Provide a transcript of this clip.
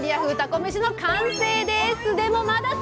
めしの完成です。